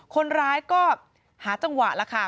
คนร้ายก็หาจังหวะแล้วค่ะ